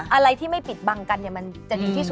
อะไรที่ไม่ปิดบังกันมันจะดีที่สุด